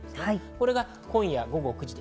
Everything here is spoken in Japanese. これが今夜午後９時。